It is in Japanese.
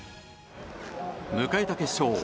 迎えた決勝。